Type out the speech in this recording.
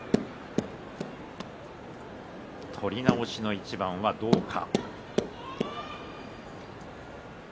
取り直しの一番はどうか。